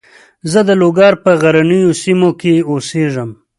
زه د لوګر په غرنیو سیمو کې اوسېږم.